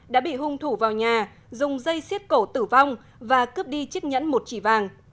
đã bị hung thủ vào nhà dùng dây xiết cổ tử vong và cướp đi chiếc nhẫn một chỉ vàng